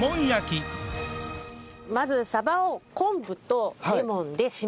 まずサバを昆布とレモンで締めます。